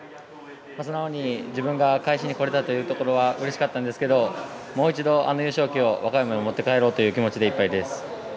素直に自分が返しに来れたというのはうれしかったんですけどもう一度、あの優勝旗を和歌山に持って帰ろうという思いでいっぱいです。